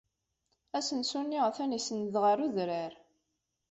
Asensu-nni atan isenned ɣer udrar.